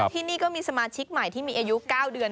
ที่นี่ก็มีสมาชิกใหม่ที่มีอายุ๙เดือน